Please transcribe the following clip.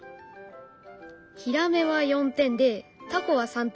ヒラメは４点でタコは３点。